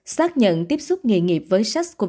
xác nhận tiếp xúc nghề nghiệp với sars cov hai